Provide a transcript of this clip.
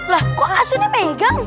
lah kok asunnya pegang